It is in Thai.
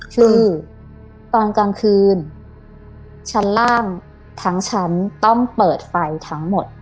คือตอนกลางคืนชั้นล่างทั้งชั้นต้องเปิดไฟทั้งหมด